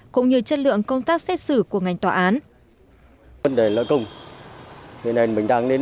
cũng như chất lượng công tác xét xử của ngành tòa án